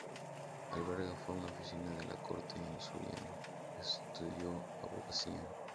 Alberga fue un oficial de la corte en Surinam, estudió abogacía.